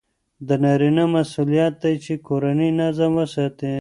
د نارینه مسئولیت دی چې کورنی نظم وساتي.